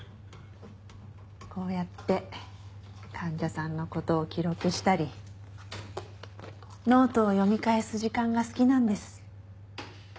こうやって患者さんの事を記録したりノートを読み返す時間が好きなんです。